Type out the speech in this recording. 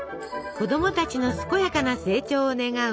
子供たちの健やかな成長を願う